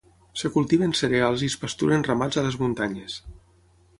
Es cultiven cereals i es pasturen ramats a les muntanyes.